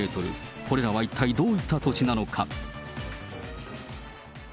これらは一体どういった土地なのか。